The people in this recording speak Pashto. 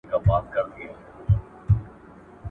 • هيڅوک نه وايي چي زما د غړکي خوند بد دئ.